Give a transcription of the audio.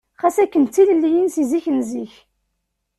Ɣas akken d tilelliyin seg zik n zik.